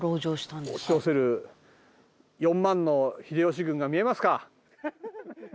押し寄せる４万の秀吉軍が見えますか？